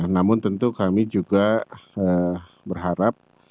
namun tentu kami juga berharap